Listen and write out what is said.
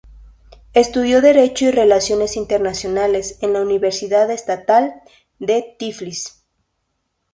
Estudió Derecho y Relaciones Internacionales en la Universidad Estatal de Tiflis.